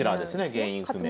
原因不明。